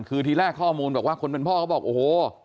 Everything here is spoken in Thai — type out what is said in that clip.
คือทีแรกข้อมูลบอกว่าคนเป็นพ่อเขาบอกโอ้โห